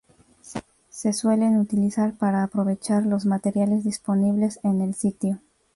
Se suelen utilizar para aprovechar los materiales disponibles en el sitio.